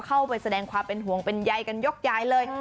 ก็แสดงความเป็นห่วงเป็นใยกันยกใยเลย